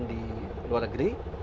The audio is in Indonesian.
di luar negeri